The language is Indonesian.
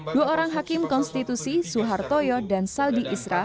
dua orang hakim konstitusi suhar toyo dan saldi isra